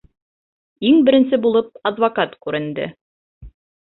Иң беренсе булып адвокат күренде.